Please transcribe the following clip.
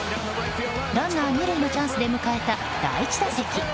ランナー２塁のチャンスで迎えた第１打席。